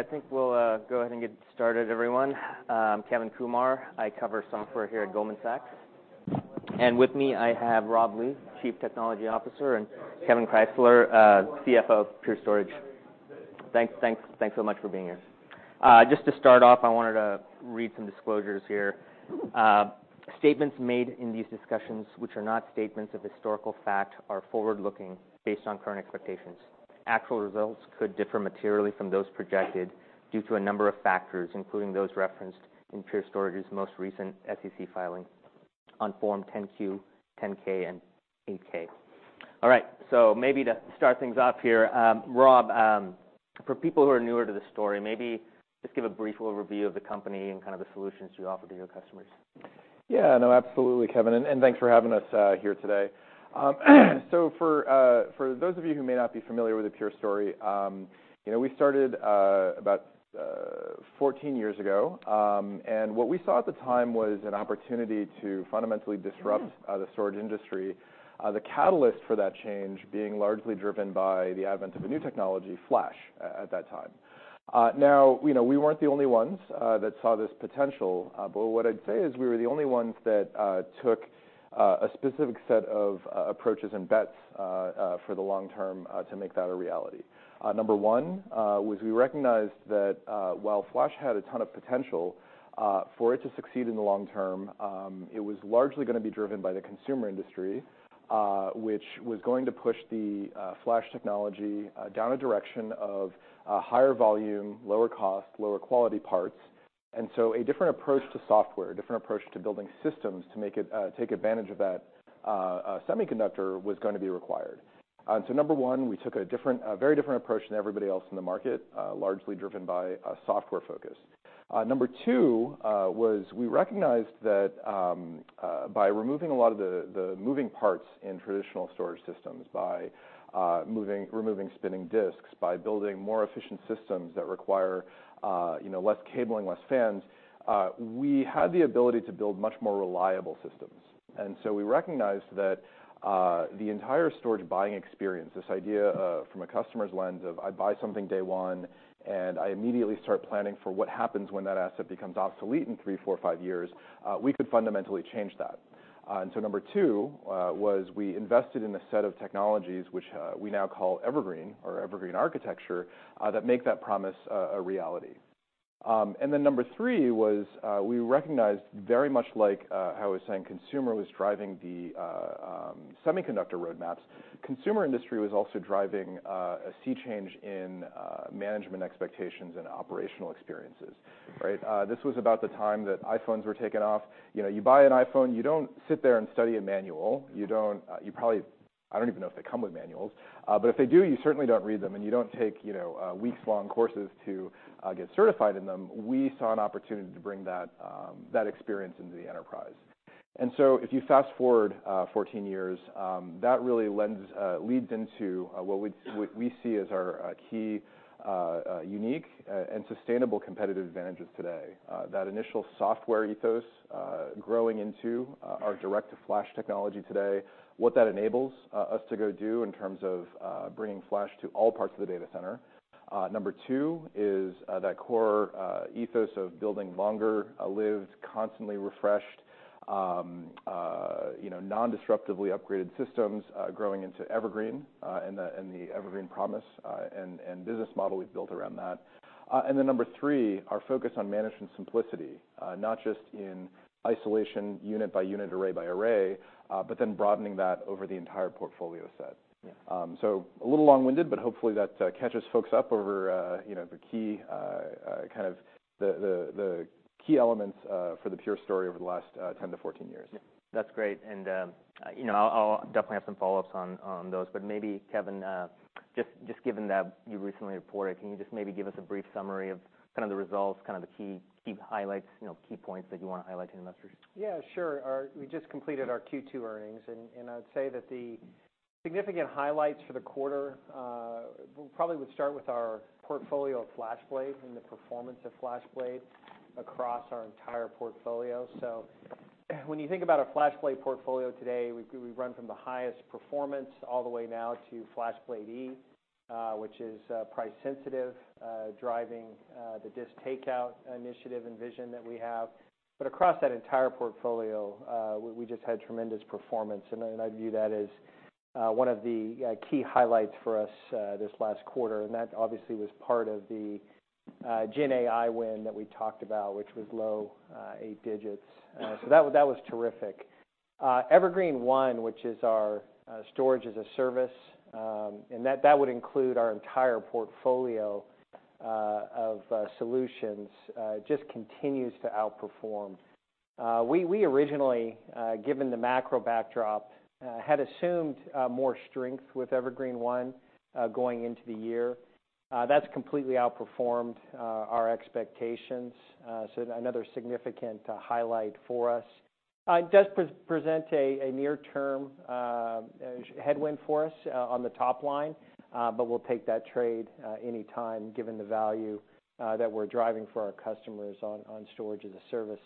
All right, I think we'll go ahead and get started, everyone. I'm Kevin Kumar. I cover software here at Goldman Sachs. And with me, I have Rob Lee, Chief Technology Officer, and Kevan Krysler, CFO of Pure Storage. Thanks, thanks, thanks so much for being here. Just to start off, I wanted to read some disclosures here. Statements made in these discussions, which are not statements of historical fact, are forward-looking, based on current expectations. Actual results could differ materially from those projected due to a number of factors, including those referenced in Pure Storage's most recent SEC filing on Form 10-Q, 10-K, and 8-K. All right. So maybe to start things off here, Rob, for people who are newer to the story, maybe just give a brief little review of the company and kind of the solutions you offer to your customers. Yeah, no, absolutely, Kevin, and thanks for having us here today. So for those of you who may not be familiar with the Pure story, you know, we started about 14 years ago. And what we saw at the time was an opportunity to fundamentally disrupt the storage industry. The catalyst for that change being largely driven by the advent of a new technology, flash, at that time. Now, you know, we weren't the only ones that saw this potential, but what I'd say is we were the only ones that took a specific set of approaches and bets for the long-term to make that a reality. Number one, was we recognized that, while Flash had a ton of potential, for it to succeed in the long-term, it was largely gonna be driven by the consumer industry, which was going to push the, Flash technology, down a direction of, higher volume, lower cost, lower quality parts. And so a different approach to software, a different approach to building systems, to make it, take advantage of that, semiconductor was gonna be required. So number one, we took a different, a very different approach than everybody else in the market, largely driven by a software focus. Number two was we recognized that by removing a lot of the moving parts in traditional storage systems, by removing spinning disks, by building more efficient systems that require you know less cabling, less fans, we had the ability to build much more reliable systems. And so we recognized that the entire storage buying experience, this idea of from a customer's lens of I buy something day one, and I immediately start planning for what happens when that asset becomes obsolete in three, four, or five years, we could fundamentally change that. And so number two was we invested in a set of technologies which we now call Evergreen or Evergreen Architecture that make that promise a reality. And then number three was, we recognized, very much like how I was saying consumer was driving the semiconductor roadmaps, consumer industry was also driving a sea change in management expectations and operational experiences, right? This was about the time that iPhones were taking off. You know, you buy an iPhone, you don't sit there and study a manual. You don't, you probably. I don't even know if they come with manuals, but if they do, you certainly don't read them, and you don't take, you know, weeks-long courses to get certified in them. We saw an opportunity to bring that that experience into the enterprise. And so if you fast-forward 14 years, that really lends, leads into what we see as our key unique and sustainable competitive advantages today. That initial software ethos, growing into our DirectFlash technology today, what that enables us to go do in terms of bringing flash to all parts of the data center. Number two is that core ethos of building longer-lived, constantly refreshed, you know, non-disruptively upgraded systems, growing into Evergreen and the Evergreen promise and business model we've built around that. And then number three, our focus on management simplicity, not just in isolation, unit by unit, array by array, but then broadening that over the entire portfolio set. So a little long-winded, but hopefully that catches folks up over, you know, the key kind of the key elements for the Pure Story over the last 10 to 14 years. Yeah, that's great. And, you know, I'll definitely have some follow-ups on those. But maybe, Kevan, just given that you recently reported, can you just maybe give us a brief summary of kind of the results, kind of the key highlights, you know, key points that you want to highlight to investors? Yeah, sure. We just completed our Q2 earnings, and I'd say that the significant highlights for the quarter probably would start with our portfolio of FlashBlade and the performance of FlashBlade across our entire portfolio. So when you think about a FlashBlade portfolio today, we run from the highest performance all the way now to FlashBlade//E, which is price-sensitive, driving the disk takeout initiative and vision that we have. But across that entire portfolio, we just had tremendous performance, and I view that as one of the key highlights for us this last quarter. And that obviously was part of the GenAI win that we talked about, which was low 8-digit. So that was terrific. Evergreen//One, which is our storage-as-a-service, and that would include our entire portfolio of solutions just continues to outperform. We originally, given the macro backdrop, had assumed more strength with Evergreen//One going into the year. That's completely outperformed our expectations, so another significant highlight for us. It does present a near-term headwind for us on the top line, but we'll take that trade anytime, given the value that we're driving for our customers on storage-as-a-service.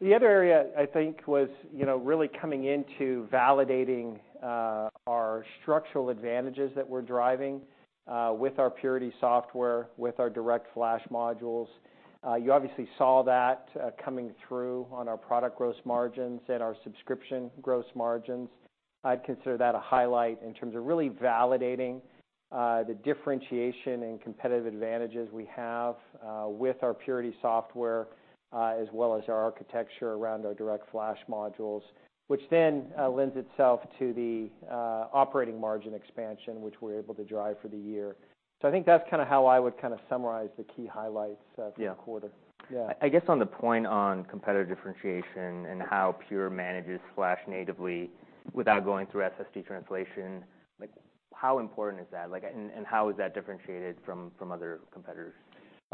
The other area, I think, was, you know, really coming into validating our structural advantages that we're driving with our Purity software, with our DirectFlash modules. You obviously saw that coming through on our product gross margins and our subscription gross margins. I'd consider that a highlight in terms of really validating the differentiation and competitive advantages we have with our Purity software, as well as our architecture around our DirectFlash modules, which then lends itself to the operating margin expansion, which we're able to drive for the year. So I think that's kind of how I would kind of summarize the key highlights. Yeah for the quarter. Yeah. I guess on the point on competitive differentiation and how Pure manages flash natively without going through SSD translation, like, how important is that? Like, and how is that differentiated from other competitors?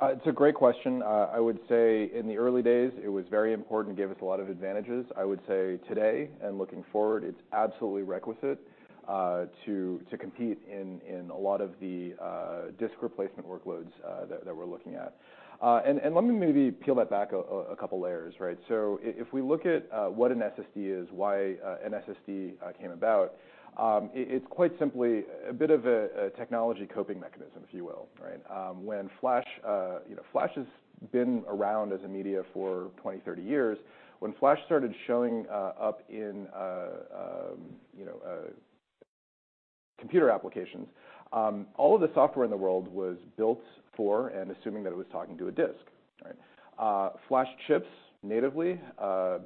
It's a great question. I would say in the early days, it was very important, it gave us a lot of advantages. I would say today, and looking forward, it's absolutely requisite, to compete in a lot of the disk replacement workloads that we're looking at. And let me maybe peel that back a couple layers, right? So if we look at what an SSD is, why an SSD came about, it's quite simply a bit of a technology coping mechanism, if you will, right? When flash, you know, flash has been around as a media for 20, 30 years. When flash started showing up in, you know, computer applications, all of the software in the world was built for and assuming that it was talking to a disk, right? Flash chips natively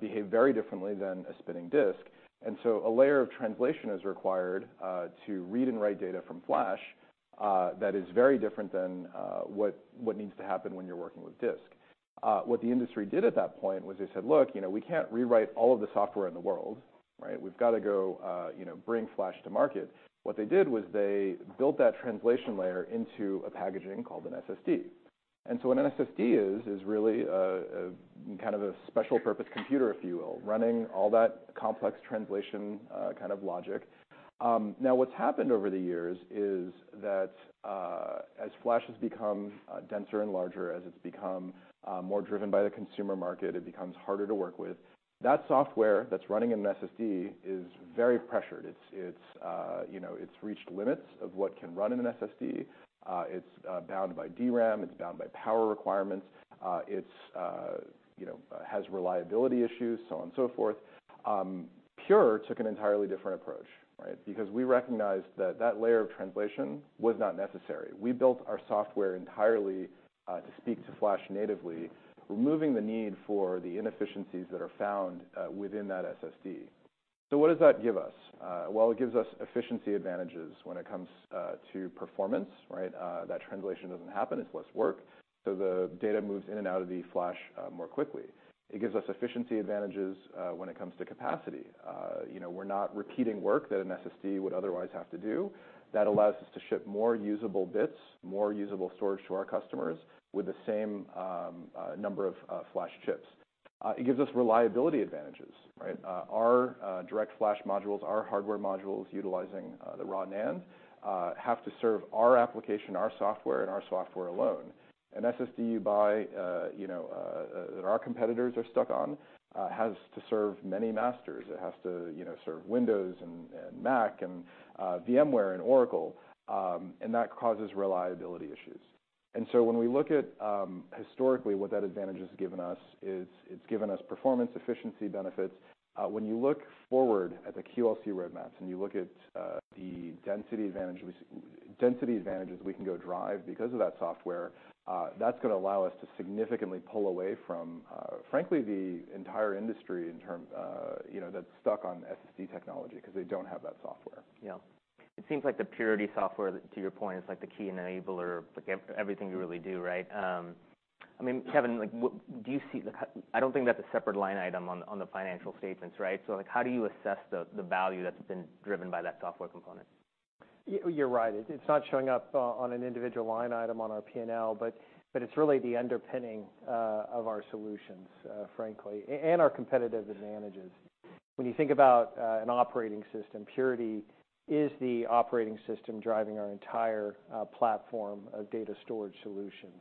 behave very differently than a spinning disk, and so a layer of translation is required to read and write data from flash that is very different than what needs to happen when you're working with disk. What the industry did at that point was they said: Look, you know, we can't rewrite all of the software in the world, right? We've got to go, you know, bring flash to market. What they did was they built that translation layer into a packaging called an SSD. And so what an SSD is, is really a kind of a special purpose computer, if you will, running all that complex translation kind of logic. Now what's happened over the years is that, as flash has become denser and larger, as it's become more driven by the consumer market, it becomes harder to work with. That software that's running in an SSD is very pressured. It's, you know, it's reached limits of what can run in an SSD. It's bound by DRAM, it's bound by power requirements, it's, you know, has reliability issues, so on and so forth. Pure took an entirely different approach, right? Because we recognized that that layer of translation was not necessary. We built our software entirely to speak to flash natively, removing the need for the inefficiencies that are found within that SSD. So what does that give us? Well, it gives us efficiency advantages when it comes to performance, right? That translation doesn't happen, it's less work, so the data moves in and out of the flash more quickly. It gives us efficiency advantages when it comes to capacity. You know, we're not repeating work that an SSD would otherwise have to do. That allows us to ship more usable bits, more usable storage to our customers with the same number of flash chips. It gives us reliability advantages, right? Our DirectFlash modules, our hardware modules utilizing the raw NAND, have to serve our application, our software and our software alone. An SSD you buy, you know, that our competitors are stuck on has to serve many masters. It has to, you know, serve Windows and Mac, and VMware and Oracle, and that causes reliability issues. So when we look at, historically, what that advantage has given us is, it's given us performance efficiency benefits. When you look forward at the QLC roadmaps, and you look at the density advantages we can go drive because of that software, that's gonna allow us to significantly pull away from, frankly, the entire industry in term, you know, that's stuck on SSD technology because they don't have that software. Yeah. It seems like the Purity software, to your point, is like the key enabler, like, everything you really do, right? I mean, Kevan, like, do you see the... I don't think that's a separate line item on the, on the financial statements, right? So, like, how do you assess the, the value that's been driven by that software component? You're right. It's not showing up on an individual line item on our P&L, but it's really the underpinning of our solutions, frankly, and our competitive advantages. When you think about an operating system, Purity is the operating system driving our entire platform of data storage solutions.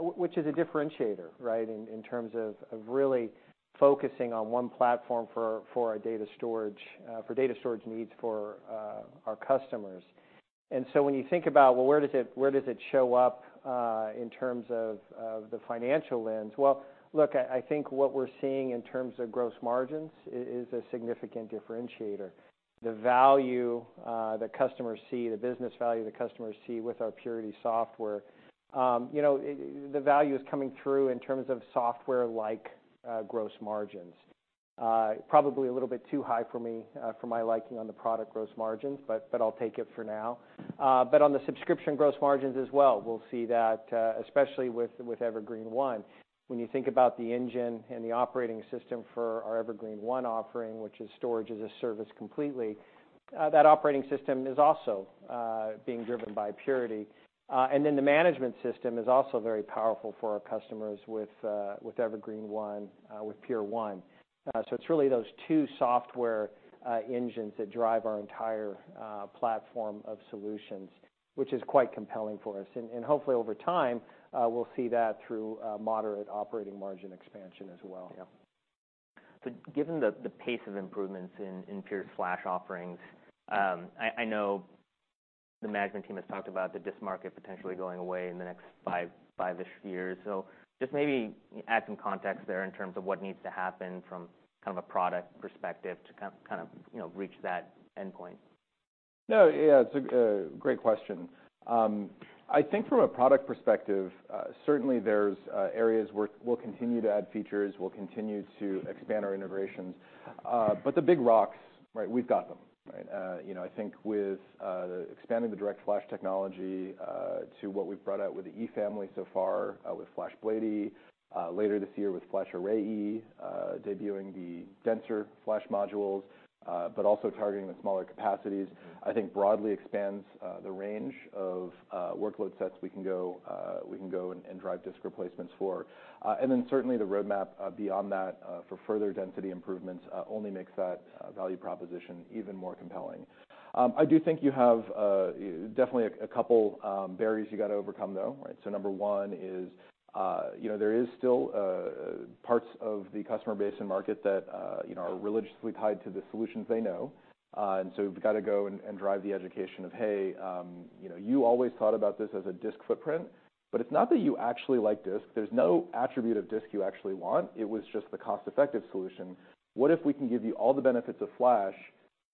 Which is a differentiator, right? In terms of really focusing on one platform for our data storage for data storage needs for our customers. And so when you think about, well, where does it show up in terms of the financial lens? Well, look, I think what we're seeing in terms of gross margins is a significant differentiator. The value, the customers see, the business value the customers see with our Purity software, you know, it, the value is coming through in terms of software-like, gross margins. Probably a little bit too high for me, for my liking on the product gross margins, but, but I'll take it for now. But on the subscription gross margins as well, we'll see that, especially with, with Evergreen//One. When you think about the engine and the operating system for our Evergreen//One offering, which is storage as a service completely, that operating system is also, being driven by Purity. And then the management system is also very powerful for our customers with, with Evergreen//One, with Pure1. So it's really those two software, engines that drive our entire, platform of solutions, which is quite compelling for us. And hopefully, over time, we'll see that through moderate operating margin expansion as well. Yeah. So given the pace of improvements in Pure's Flash offerings, I know the management team has talked about the disk market potentially going away in the next 5, 5-ish years. So just maybe add some context there in terms of what needs to happen from kind of a product perspective to kind of you know, reach that endpoint. No, yeah, it's a great question. I think from a product perspective, certainly there's areas where we'll continue to add features, we'll continue to expand our integrations. But the big rocks, right, we've got them, right? You know, I think with expanding the DirectFlash technology to what we've brought out with the E family so far, with FlashBlade//E, later this year with FlashArray//E, debuting the denser flash modules, but also targeting the smaller capacities, I think broadly expands the range of workload sets we can go and drive disk replacements for. And then certainly, the roadmap beyond that for further density improvements only makes that value proposition even more compelling. I do think you have definitely a couple barriers you got to overcome, though, right? So number one is, you know, there is still parts of the customer base and market that, you know, are religiously tied to the solutions they know. And so we've got to go and drive the education of, "Hey, you know, you always thought about this as a disk footprint, but it's not that you actually like disk. There's no attribute of disk you actually want. It was just the cost-effective solution. What if we can give you all the benefits of flash,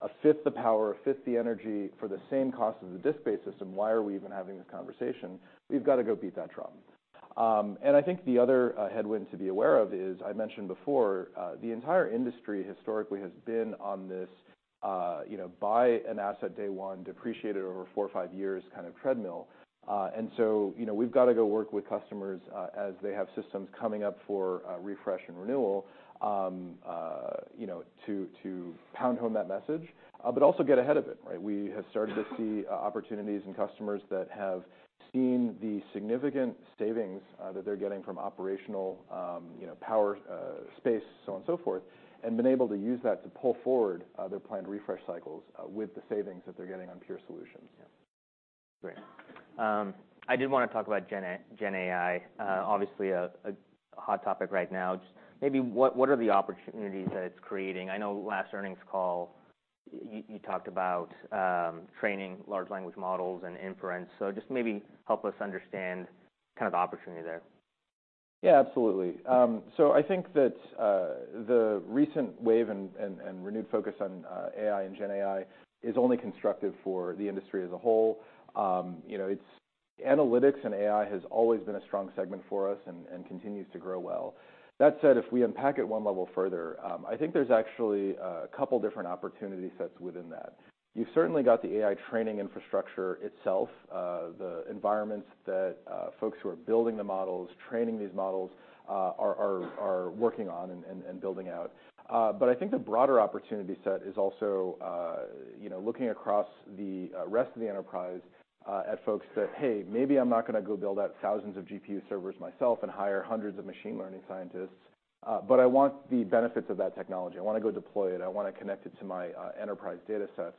a fifth the power, a fifth the energy for the same cost as the disk-based system? Why are we even having this conversation?" We've got to go beat that drum. I think the other headwind to be aware of is, I mentioned before, the entire industry historically has been on this, you know, buy an asset day one, depreciate it over four or five years kind of treadmill. So, you know, we've got to go work with customers as they have systems coming up for refresh and renewal, you know, to pound home that message, but also get ahead of it, right? We have started to see opportunities and customers that have seen the significant savings that they're getting from operational, you know, power, space, so on and so forth, and been able to use that to pull forward their planned refresh cycles with the savings that they're getting on Pure solutions. Yeah. Great. I did want to talk about GenAI, obviously a hot topic right now. Just maybe what are the opportunities that it's creating? I know last earnings call, you talked about training large language models and inference, so just maybe help us understand kind of the opportunity there. Yeah, absolutely. So I think that the recent wave and renewed focus on AI and GenAI is only constructive for the industry as a whole. You know, it's analytics and AI has always been a strong segment for us and continues to grow well. That said, if we unpack it one level further, I think there's actually a couple different opportunity sets within that. You've certainly got the AI training infrastructure itself, the environments that folks who are building the models, training these models, are working on and building out. But I think the broader opportunity set is also, you know, looking across the rest of the enterprise, at folks that, "Hey, maybe I'm not going to go build out thousands of GPU servers myself and hire hundreds of machine learning scientists, but I want the benefits of that technology. I want to go deploy it. I want to connect it to my enterprise data sets.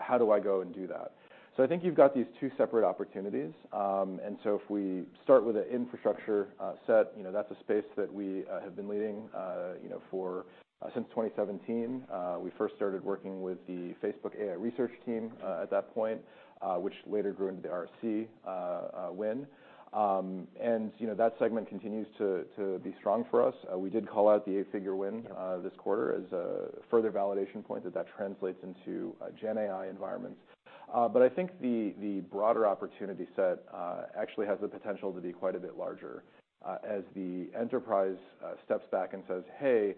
How do I go and do that?" So I think you've got these two separate opportunities. And so if we start with the infrastructure set, you know, that's a space that we have been leading, you know, for since 2017. We first started working with the Facebook AI research team at that point, which later grew into the RSC win. And, you know, that segment continues to be strong for us. We did call out the eight-figure win this quarter as a further validation point that that translates into GenAI environments. But I think the broader opportunity set actually has the potential to be quite a bit larger. As the enterprise steps back and says, "Hey,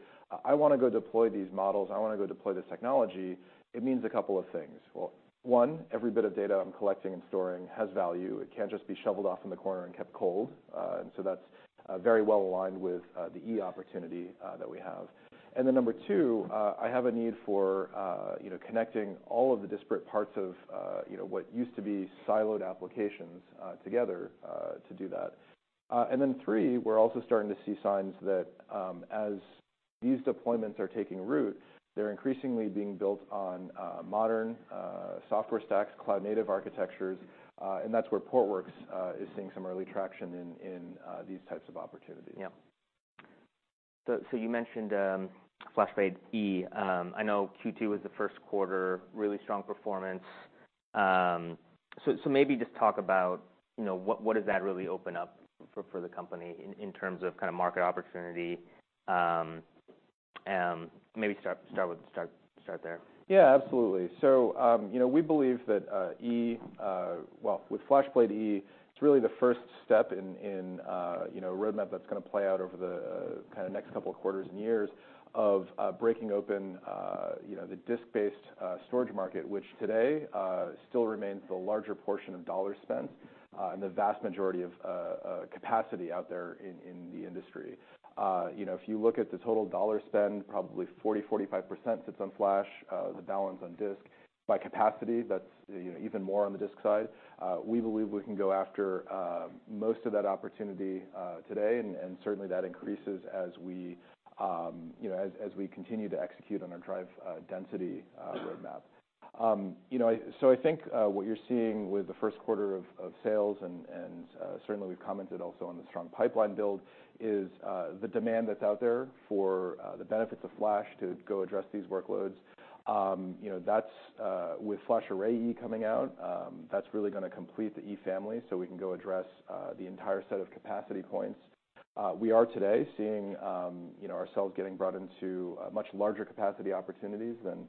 I want to go deploy these models, I want to go deploy this technology," it means a couple of things. Well, one, every bit of data I'm collecting and storing has value. It can't just be shoveled off in the corner and kept cold. And so that's very well aligned with the E opportunity that we have. And then number two, I have a need for, you know, connecting all of the disparate parts of, you know, what used to be siloed applications, together, to do that. And then three, we're also starting to see signs that, as these deployments are taking root, they're increasingly being built on, modern, software stacks, cloud-native architectures, and that's where Portworx is seeing some early traction in these types of opportunities. Yeah. So, so you mentioned FlashBlade//E. I know Q2 was the first quarter, really strong performance. So, so maybe just talk about, you know, what, what does that really open up for, for the company in, in terms of kind of market opportunity? Maybe start, start with—start, start there. Yeah, absolutely. So, you know, we believe that, well, with FlashBlade//E, it's really the first step in, you know, a roadmap that's going to play out over the, kind of next couple of quarters and years of, breaking open, you know, the disk-based, storage market, which today, still remains the larger portion of dollars spent, and the vast majority of, capacity out there in, the industry. You know, if you look at the total dollar spend, probably 40%-45% sits on Flash, the balance on disk. By capacity, that's, you know, even more on the disk side. We believe we can go after most of that opportunity today, and certainly that increases as we, you know, as we continue to execute on our drive density roadmap. You know, so I think what you're seeing with the first quarter of sales and certainly we've commented also on the strong pipeline build is the demand that's out there for the benefits of flash to go address these workloads. You know, that's with FlashArray//E coming out, that's really going to complete the E family, so we can go address the entire set of capacity points. We are today seeing, you know, ourselves getting brought into a much larger capacity opportunities than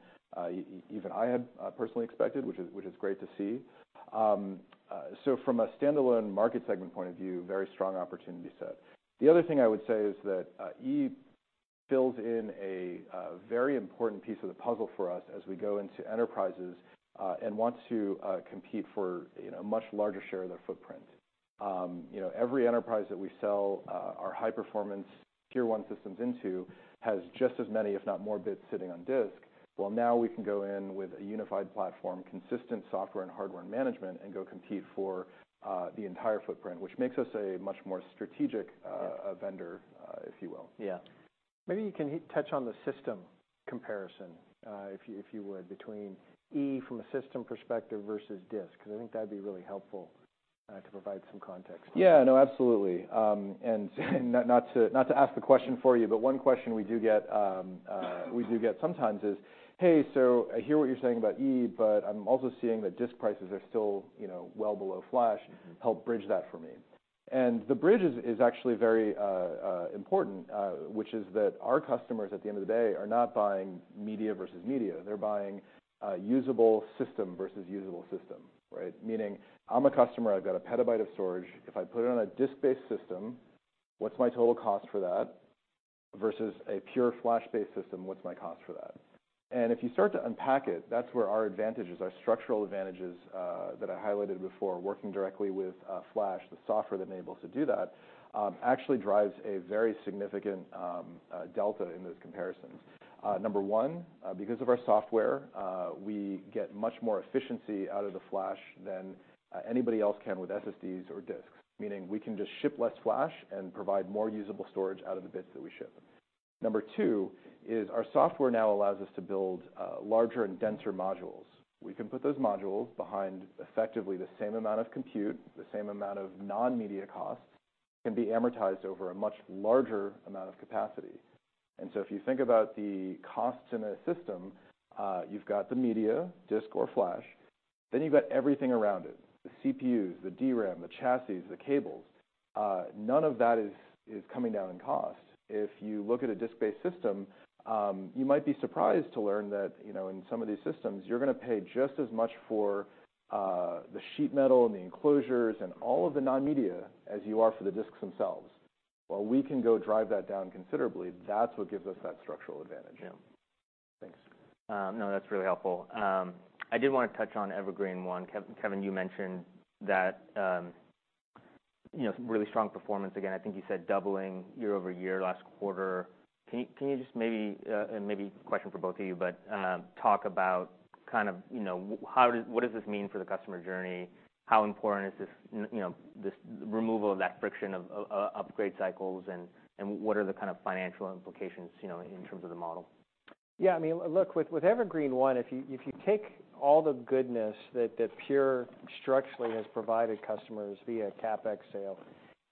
even I had personally expected, which is great to see. So from a standalone market segment point of view, very strong opportunity set. The other thing I would say is that, E fills in a very important piece of the puzzle for us as we go into enterprises and want to compete for, you know, a much larger share of their footprint. Every enterprise that we sell our high-performance Tier 1 systems into has just as many, if not more, bits sitting on disk. Well, now we can go in with a unified platform, consistent software and hardware management, and go compete for the entire footprint, which makes us a much more strategic. Yes. vendor, if you will. Yeah. Maybe you can touch on the system comparison, if you would, between E from a system perspective versus disk, because I think that'd be really helpful, to provide some context. Yeah. No, absolutely. And not to ask the question for you, but one question we do get sometimes is: "Hey, so I hear what you're saying about E, but I'm also seeing that disk prices are still, you know, well below flash. Help bridge that for me." And the bridge is actually very important, which is that our customers, at the end of the day, are not buying media versus media. They're buying usable system versus usable system, right? Meaning I'm a customer, I've got a petabyte of storage. If I put it on a disk-based system, what's my total cost for that? Versus a pure flash-based system, what's my cost for that? If you start to unpack it, that's where our advantages, our structural advantages, that I highlighted before, working directly with Flash, the software that enables to do that, actually drives a very significant delta in those comparisons. Number one, because of our software, we get much more efficiency out of the Flash than anybody else can with SSDs or disks, meaning we can just ship less Flash and provide more usable storage out of the bits that we ship. Number two is our software now allows us to build larger and denser modules. We can put those modules behind effectively the same amount of compute. The same amount of non-media costs can be amortized over a much larger amount of capacity. And so if you think about the costs in a system, you've got the media, disk or flash, then you've got everything around it, the CPUs, the DRAM, the chassis, the cables. None of that is coming down in cost. If you look at a disk-based system, you might be surprised to learn that, you know, in some of these systems, you're going to pay just as much for the sheet metal and the enclosures and all of the non-media, as you are for the disks themselves. Well, we can go drive that down considerably. That's what gives us that structural advantage. Yeah. Thanks. No, that's really helpful. I did want to touch on Evergreen//One. Kevan, you mentioned that, you know, really strong performance. Again, I think you said doubling year-over-year, last quarter. Can you just maybe, and maybe a question for both of you, but, talk about kind of, you know, what does this mean for the customer journey? How important is this, you know, this removal of that friction of upgrade cycles, and what are the kind of financial implications, you know, in terms of the model? Yeah, I mean, look, with Evergreen//One, if you take all the goodness that Pure structurally has provided customers via CapEx sale,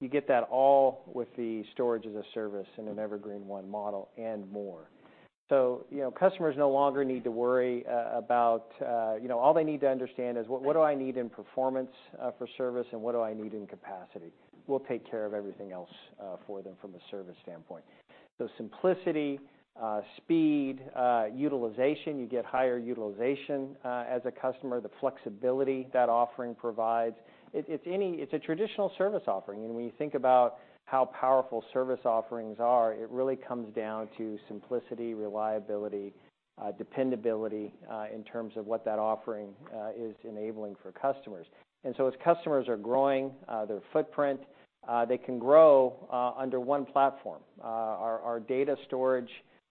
you get that all with the storage as a service in an Evergreen//One model and more. So, you know, customers no longer need to worry about. You know, all they need to understand is what do I need in performance for service, and what do I need in capacity? We'll take care of everything else for them from a service standpoint. So simplicity, speed, utilization, you get higher utilization as a customer, the flexibility that offering provides. It's a traditional service offering, and when you think about how powerful service offerings are, it really comes down to simplicity, reliability, dependability in terms of what that offering is enabling for customers. So as customers are growing their footprint, they can grow under one platform. Our data storage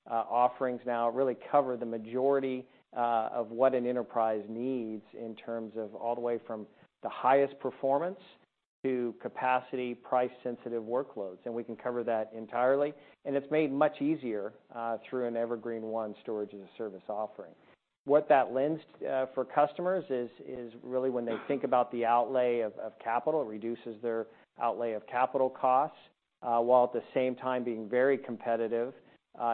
offerings now really cover the majority of what an enterprise needs in terms of all the way from the highest performance to capacity, price-sensitive workloads, and we can cover that entirely. It's made much easier through an Evergreen//One storage-as-a-service offering. What that lends for customers is really when they think about the outlay of capital, it reduces their outlay of capital costs, while at the same time being very competitive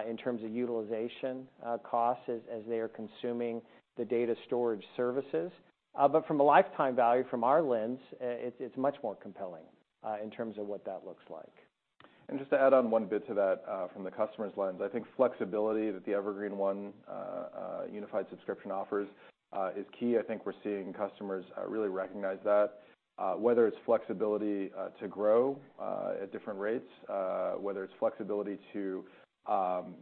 in terms of utilization costs as they are consuming the data storage services. But from a lifetime value, from our lens, it's much more compelling in terms of what that looks like. And just to add on one bit to that, from the customer's lens, I think flexibility that the Evergreen//One unified subscription offers is key. I think we're seeing customers really recognize that, whether it's flexibility to grow at different rates, whether it's flexibility to,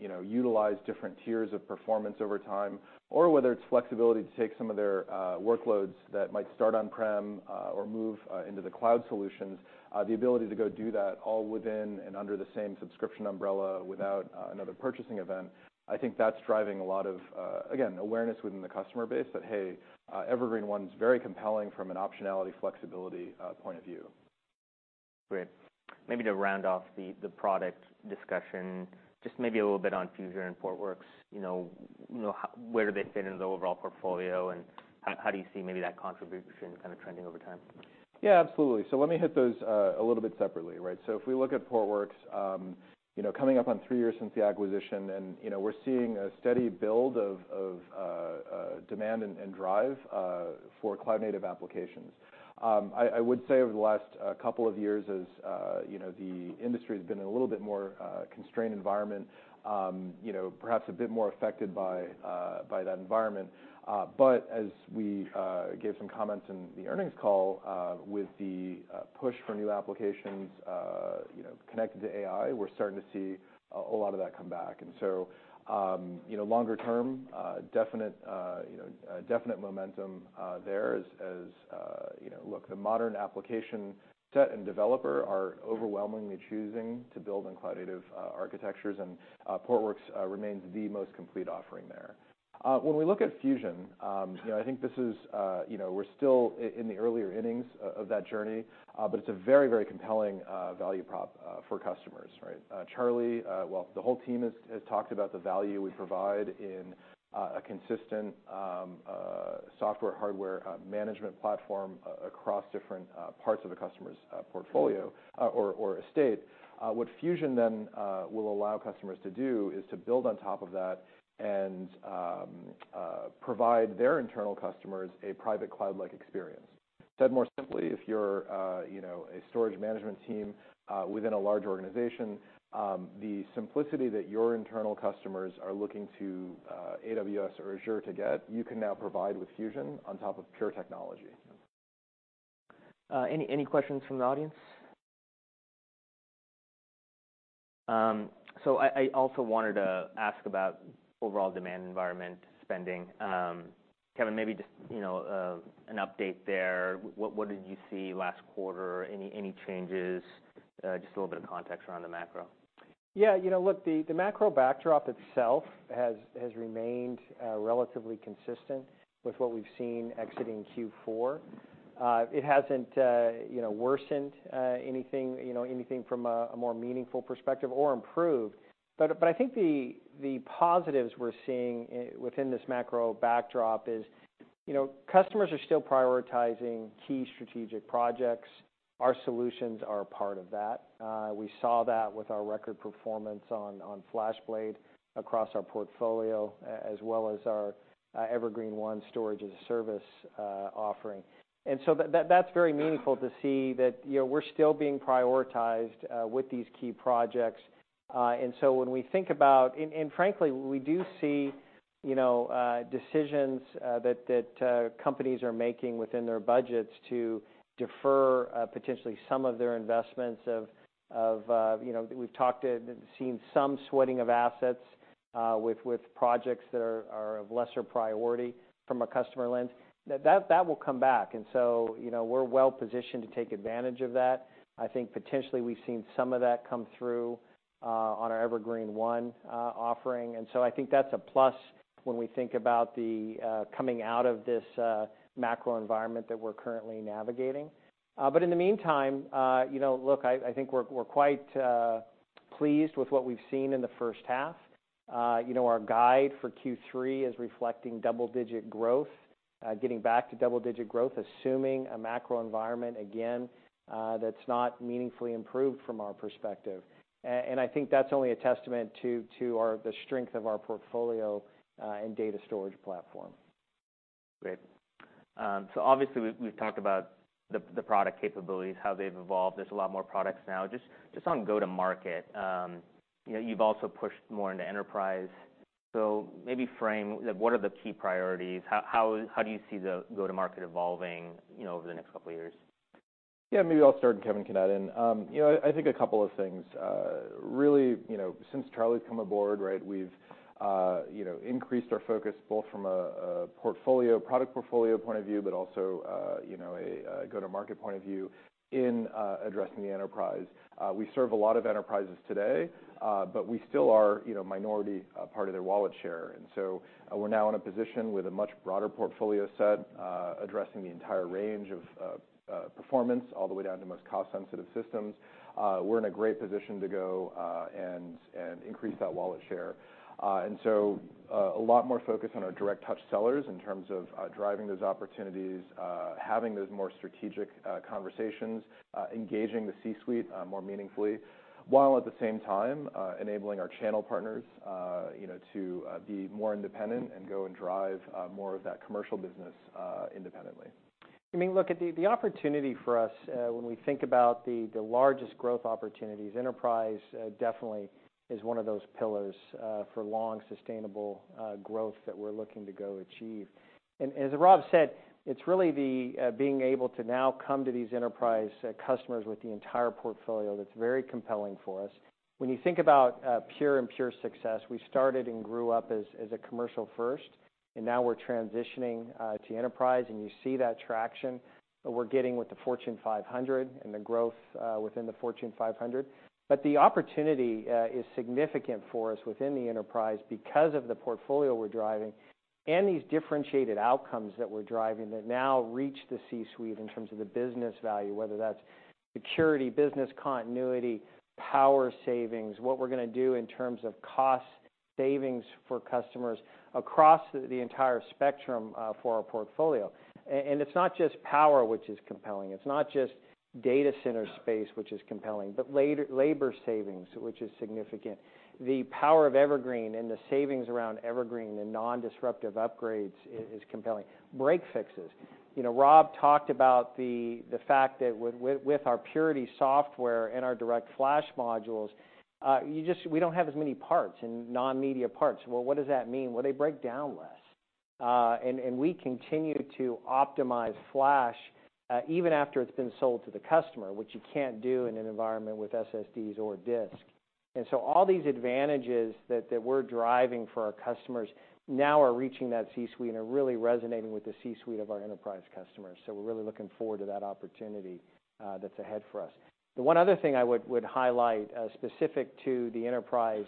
you know, utilize different tiers of performance over time, or whether it's flexibility to take some of their workloads that might start on-prem or move into the cloud solutions. The ability to go do that all within and under the same subscription umbrella without another purchasing event, I think that's driving a lot of, again, awareness within the customer base that, hey, Evergreen//One is very compelling from an optionality, flexibility point of view. Great. Maybe to round off the product discussion, just maybe a little bit on Fusion and Portworx. You know, you know, where do they fit into the overall portfolio, and how do you see maybe that contribution kind of trending over time? Yeah, absolutely. So let me hit those, a little bit separately, right? So if we look at Portworx, you know, coming up on three years since the acquisition, and, you know, we're seeing a steady build of demand and drive for cloud native applications. I would say over the last couple of years, you know, the industry has been in a little bit more constrained environment, you know, perhaps a bit more affected by that environment. But as we gave some comments in the earnings call, with the push for new applications, you know, connected to AI, we're starting to see a lot of that come back. And so, you know, longer term, definite, you know, definite momentum there as... You know, look, the modern application set and developer are overwhelmingly choosing to build on cloud native architectures, and Portworx remains the most complete offering there. When we look at Fusion, you know, I think this is, you know, we're still in the earlier innings of that journey, but it's a very, very compelling value prop for customers, right? Charlie, well, the whole team has talked about the value we provide in a consistent software, hardware management platform across different parts of the customer's portfolio or estate. What Fusion then will allow customers to do is to build on top of that and provide their internal customers a private cloud-like experience. Said more simply, if you're, you know, a storage management team within a large organization, the simplicity that your internal customers are looking to AWS or Azure to get, you can now provide with Fusion on top of Pure technology. Any questions from the audience? So I also wanted to ask about overall demand environment spending. Kevan, maybe just, you know, an update there. What did you see last quarter? Any changes? Just a little bit of context around the macro. Yeah, you know, look, the macro backdrop itself has remained relatively consistent with what we've seen exiting Q4. It hasn't, you know, worsened anything from a more meaningful perspective or improved. But I think the positives we're seeing within this macro backdrop is, you know, customers are still prioritizing key strategic projects. Our solutions are a part of that. We saw that with our record performance on FlashBlade across our portfolio, as well as our Evergreen//One storage as a service offering. And so that's very meaningful to see that, you know, we're still being prioritized with these key projects. And so when we think about... And frankly, we do see, you know, decisions that companies are making within their budgets to defer potentially some of their investments of, you know, we've talked to and seen some sweating of assets with projects that are of lesser priority from a customer lens. That will come back, and so, you know, we're well positioned to take advantage of that. I think potentially we've seen some of that come through on our Evergreen//One offering. And so I think that's a plus when we think about the coming out of this macro environment that we're currently navigating. But in the meantime, you know, look, I think we're quite pleased with what we've seen in the first half. You know, our guide for Q3 is reflecting double-digit growth, getting back to double-digit growth, assuming a macro environment, again, that's not meaningfully improved from our perspective. And I think that's only a testament to the strength of our portfolio and data storage platform. Great. So obviously, we've talked about the product capabilities, how they've evolved. There's a lot more products now. Just on go-to-market, you know, you've also pushed more into enterprise. So maybe frame, like, what are the key priorities? How do you see the go-to-market evolving, you know, over the next couple of years? Yeah, maybe I'll start, and Kevan can add in. You know, I think a couple of things. Really, you know, since Charlie's come aboard, right, we've, you know, increased our focus both from a portfolio, product portfolio point of view, but also, you know, a go-to-market point of view in addressing the enterprise. We serve a lot of enterprises today, but we still are, you know, minority part of their wallet share. And so we're now in a position with a much broader portfolio set, addressing the entire range of performance, all the way down to the most cost-sensitive systems. We're in a great position to go and increase that wallet share. And so, a lot more focus on our direct touch sellers in terms of driving those opportunities, having those more strategic conversations, engaging the C-suite more meaningfully, while at the same time enabling our channel partners, you know, to be more independent and go and drive more of that commercial business independently. I mean, look at the opportunity for us when we think about the largest growth opportunities. Enterprise definitely is one of those pillars for long, sustainable growth that we're looking to go achieve. And as Rob said, it's really the being able to now come to these enterprise customers with the entire portfolio that's very compelling for us. When you think about Pure and Pure success, we started and grew up as a commercial first, and now we're transitioning to enterprise, and you see that traction that we're getting with the Fortune 500 and the growth within the Fortune 500. But the opportunity is significant for us within the enterprise because of the portfolio we're driving and these differentiated outcomes that we're driving that now reach the C-suite in terms of the business value, whether that's security, business continuity, power savings, what we're gonna do in terms of cost savings for customers across the entire spectrum for our portfolio. And it's not just power which is compelling, it's not just data center space which is compelling, but labor, labor savings, which is significant. The power of Evergreen and the savings around Evergreen, the non-disruptive upgrades is compelling. Break fixes, you know, Rob talked about the fact that with our Purity software and our DirectFlash modules, you just, we don't have as many parts and non-media parts. Well, what does that mean? Well, they break down less. We continue to optimize Flash even after it's been sold to the customer, which you can't do in an environment with SSDs or disk. And so all these advantages that we're driving for our customers now are reaching that C-suite and are really resonating with the C-suite of our enterprise customers. So we're really looking forward to that opportunity that's ahead for us. The one other thing I would highlight, specific to the enterprise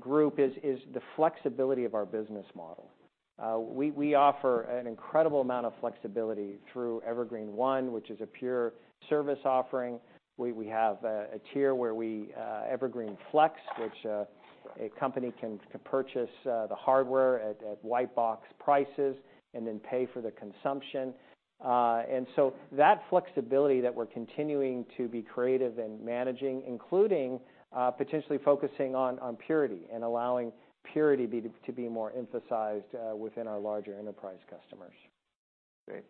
group, is the flexibility of our business model. We offer an incredible amount of flexibility through Evergreen//One, which is a Pure service offering. We have a tier, Evergreen//Flex, where a company can purchase the hardware at white box prices and then pay for the consumption. And so that flexibility that we're continuing to be creative and managing, including, potentially focusing on Purity and allowing Purity to be more emphasized within our larger enterprise customers. Great.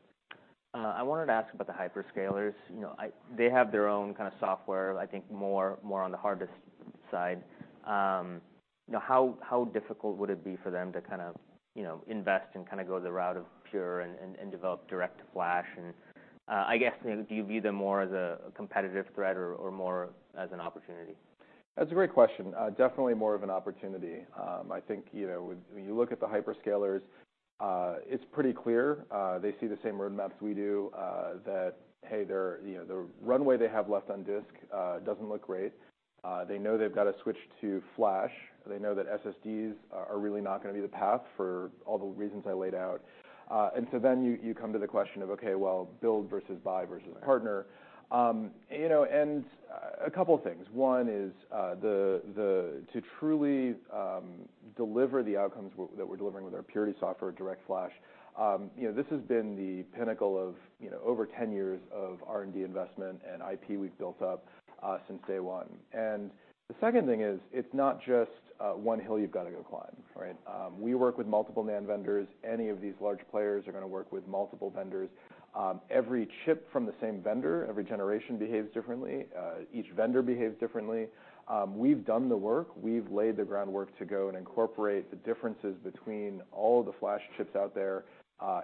I wanted to ask about the hyperscalers. You know, they have their own kind of software, I think more on the hardest side. Now, how difficult would it be for them to kind of, you know, invest and kind of go the route of Pure and develop DirectFlash? And, I guess, you know, do you view them more as a competitive threat or more as an opportunity? That's a great question. Definitely more of an opportunity. I think, you know, when you look at the hyperscalers, it's pretty clear, they see the same road maps we do, that, hey, they're, you know, the runway they have left on disk, doesn't look great. They know they've got to switch to Flash. They know that SSDs are really not gonna be the path for all the reasons I laid out. And so then you come to the question of, okay, well, build versus buy versus partner. You know, and a couple of things. One is to truly deliver the outcomes that we're delivering with our Purity software, DirectFlash, you know, this has been the pinnacle of, you know, over 10 years of R&D investment and IP we've built up, since day one. And the second thing is, it's not just one hill you've got to go climb, right? We work with multiple NAND vendors. Any of these large players are gonna work with multiple vendors. Every chip from the same vendor, every generation behaves differently. Each vendor behaves differently. We've done the work. We've laid the groundwork to go and incorporate the differences between all of the Flash chips out there,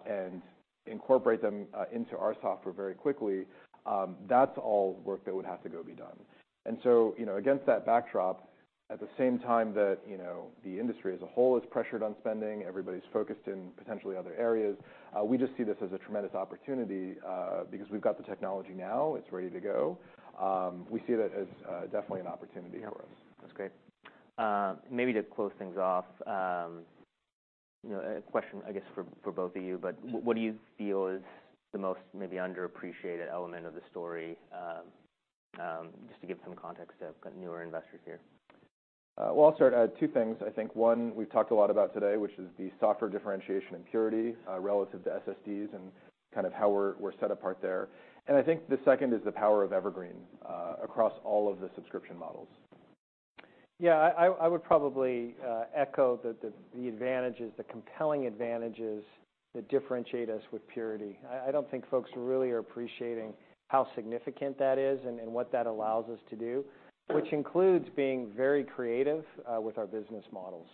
and incorporate them into our software very quickly. That's all work that would have to go be done. And so, you know, against that backdrop, at the same time that, you know, the industry as a whole is pressured on spending, everybody's focused in potentially other areas, we just see this as a tremendous opportunity, because we've got the technology now. It's ready to go. We see that as, definitely an opportunity for us. That's great. Maybe to close things off, you know, a question, I guess, for, for both of you, but what do you feel is the most maybe underappreciated element of the story? Just to give some context to newer investors here. Well, I'll start. Two things. I think, one, we've talked a lot about today, which is the software differentiation and Purity relative to SSDs and kind of how we're set apart there. And I think the second is the power of Evergreen across all of the subscription models. Yeah, I would probably echo the advantages, the compelling advantages that differentiate us with Purity. I don't think folks really are appreciating how significant that is and what that allows us to do, which includes being very creative with our business models.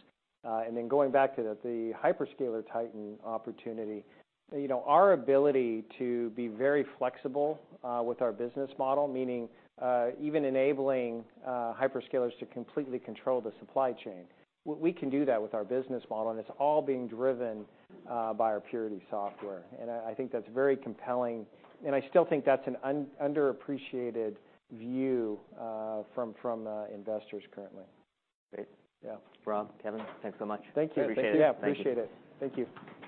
And then going back to the hyperscaler titan opportunity, you know, our ability to be very flexible with our business model, meaning even enabling hyperscalers to completely control the supply chain, we can do that with our business model, and it's all being driven by our Purity software. And I think that's very compelling, and I still think that's an underappreciated view from investors currently. Great. Yeah. Rob, Kevan, thanks so much. Thank you. Appreciate it. Yeah, appreciate it. Thank you. Thank you.